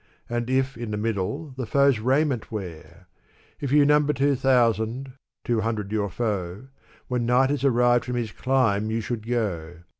And if in the middle, the foe's raiment wear ! If you number two thousand — two hundred your foe, — When night has arrived from his clime you should go